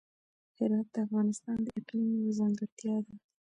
هرات د افغانستان د اقلیم یوه ځانګړتیا ده.